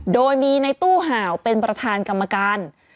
โดยมีในตู้ห่าวเป็นประธานกรรมการ